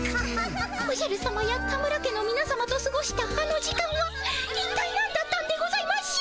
おじゃるさまや田村家のみなさまとすごしたあの時間はいったいなんだったんでございましょう。